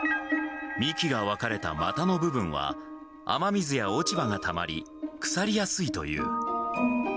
幹が分かれた股の部分は、雨水や落ち葉がたまり、腐りやすいという。